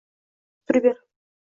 Jeyms Turber